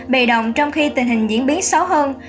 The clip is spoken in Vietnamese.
bị động trong khi tình hình diễn biến xấu hơn